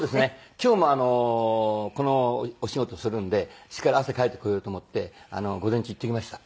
今日もこのお仕事をするんでしっかり汗かいてこようと思って午前中行ってきました。